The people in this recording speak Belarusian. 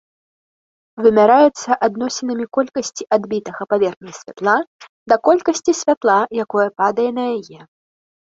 Вымяраецца адносінамі колькасці адбітага паверхняй святла да колькасці святла, якое падае на яе.